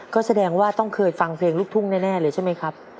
ก็แสดงว่าต้องเคยฟังเพลงลูกทุ่งแน่เลยใช่ไหมครับ